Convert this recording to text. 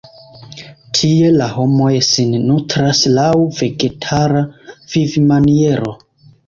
Tie la homoj sin nutras laŭ vegetara vivmaniero.